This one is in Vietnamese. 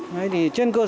thế thì trên cơ sở